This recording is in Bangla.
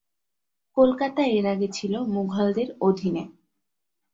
কলকাতা এর আগে ছিল মুঘলদের অধীনে।